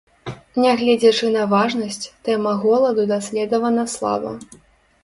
Нягледзячы на важнасць, тэма голаду даследавана слаба.